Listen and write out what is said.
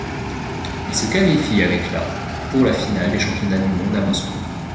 Il se qualifie avec la pour la finale des championnats du monde à Moscou.